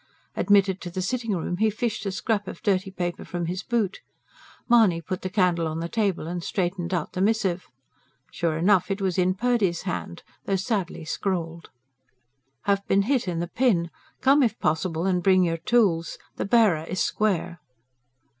Admitted to the sitting room he fished a scrap of dirty paper from his boot. Mahony put the candle on the table and straightened out the missive. Sure enough, it was in Purdy's hand though sadly scrawled. HAVE BEEN HIT IN THE PIN. COME IF POSSIBLE AND BRING YOUR TOOLS. THE BEARER IS SQUARE.